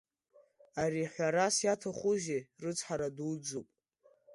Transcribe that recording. Ари, ҳәарас иаҭахузеи, рыцҳара дуӡӡоуп.